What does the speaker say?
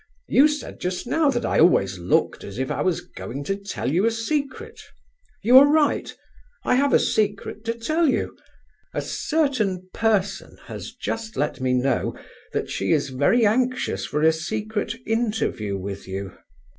You said just now that I always looked as if I was going to tell you a secret; you are right. I have a secret to tell you: a certain person has just let me know that she is very anxious for a secret interview with you."